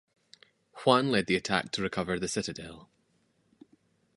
Juan led the attack to recover the citadel.